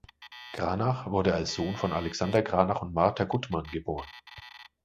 Granach wurde als Sohn von Alexander Granach und Martha Guttmann geboren.